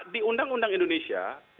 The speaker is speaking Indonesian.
di undang undang indonesia